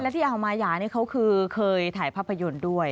แล้วที่เอามาอย่าเขาคือเคยถ่ายภาพยนตร์ด้วย